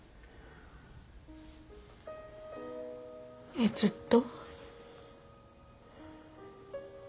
えっずっと？